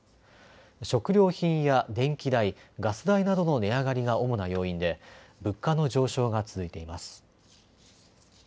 食料品や電気代、ガス代などの値上がりが主な要因で物価の上昇が続いています。